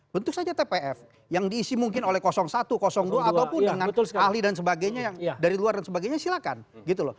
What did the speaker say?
bentuk saja tpf yang diisi mungkin oleh satu dua ataupun dengan ahli dan sebagainya yang dari luar dan sebagainya silakan gitu loh